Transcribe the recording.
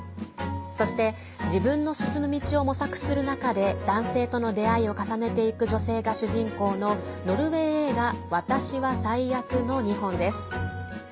そして、自分の進む道を模索する中で男性との出会いを重ねていく女性が主人公のノルウェー映画「わたしは最悪。」の２本です。